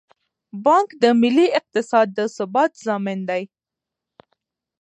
بانک د ملي اقتصاد د ثبات ضامن دی.